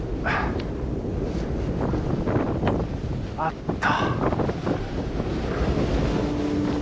あった！